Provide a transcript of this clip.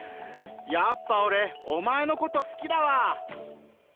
やっぱ俺お前のこと好きだわ」